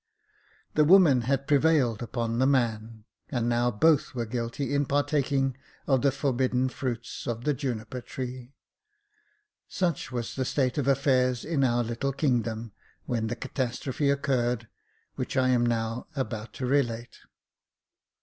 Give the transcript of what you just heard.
The woman had prevailed upon the man, and now both were guilty in partaking of the for bidden fruit of the Juniper Tree. Such was the state of affairs in our little kingdom, when the catastrophe occurred which I am now about to relate.